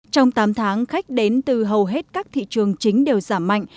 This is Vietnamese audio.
trong tám tháng khách đến từ hầu hết các thị trường chính đều giảm mạnh